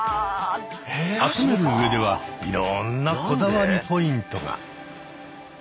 集める上ではいろんなこだわりポイントが。